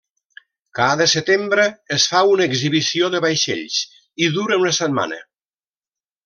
Cada setembre es fa una exhibició de vaixells i dura una setmana.